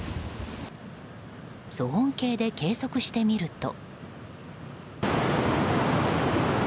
騒音計で計測してみると。